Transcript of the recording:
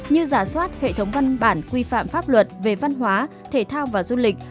như giả soát hệ thống văn bản quy phạm pháp luật về văn hóa thể thao và du lịch